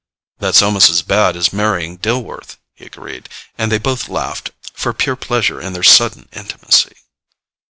"That's almost as bad as marrying Dillworth," he agreed, and they both laughed for pure pleasure in their sudden intimacy.